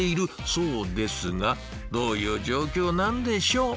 そうですがどういう状況なんでしょう？